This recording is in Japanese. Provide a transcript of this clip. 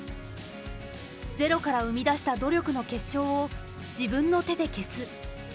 ゼロから生み出した努力の結晶を自分の手で消す。